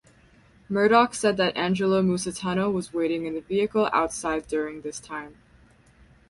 Murdock said that Angelo Musitano was waiting in the vehicle outside during this time.